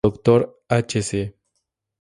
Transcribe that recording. Doctor h.c.